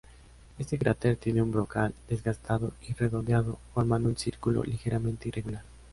Este cráter tiene un brocal desgastado y redondeado, formando un círculo ligeramente irregular.